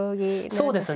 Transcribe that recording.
そうですね